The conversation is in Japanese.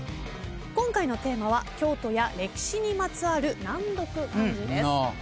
今回のテーマは京都や歴史にまつわる難読漢字です。